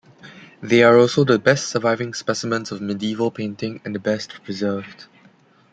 They are also the best surviving specimens of medieval painting, and the best preserved.